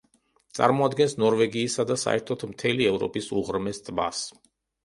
წარმოადგენს ნორვეგიისა და საერთოდ, მთელი ევროპის უღრმეს ტბას.